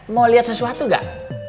mau lihat sesuatu gak